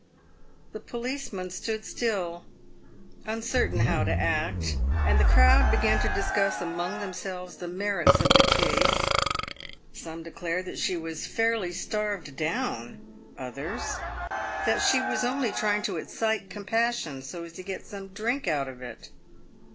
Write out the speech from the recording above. The policeman stood still, uncertain how to act, and the crowd began to discuss among themselves the merits of the case j some de clared that she was " fairly starved down," others, " that she was only trying to excite compassion so as to get some drink out of it."